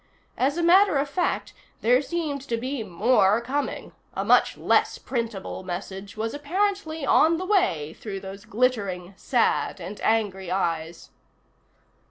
As a matter of fact, there seemed to be more coming a much less printable message was apparently on the way through those glittering, sad and angry eyes.